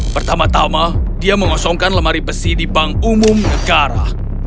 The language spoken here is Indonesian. pertama tama dia mengosongkan lemari besi di bank umum negara